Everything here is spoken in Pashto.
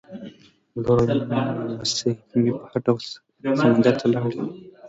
لور او نمسۍ مې په هر ډول سمندر ته لاړې.